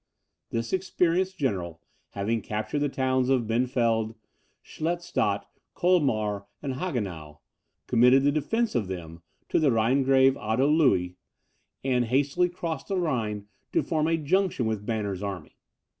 This experienced general having captured the towns of Benfeld, Schlettstadt, Colmar, and Hagenau, committed the defence of them to the Rhinegrave Otto Louis, and hastily crossed the Rhine to form a junction with Banner's army.